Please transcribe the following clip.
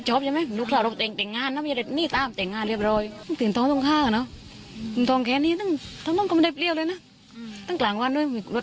จะแข็งใช้นะคะนเท้าถังก็หรือเวลาไม่ให้เอาสิแต่นั่งเงิน